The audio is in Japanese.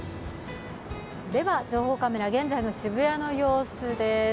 情報カメラ、現在の渋谷の様子です。